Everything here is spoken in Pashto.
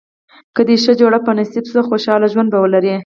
که دې ښه جوړه په نصیب شوه خوشاله ژوند به ولرې.